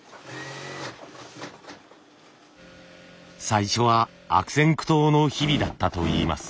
最初は悪戦苦闘の日々だったといいます。